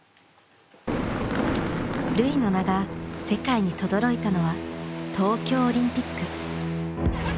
瑠唯の名が世界にとどろいたのは東京オリンピック。